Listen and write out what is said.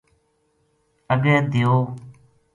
اگے دیو